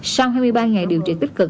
sau hai mươi ba ngày điều trị tích cực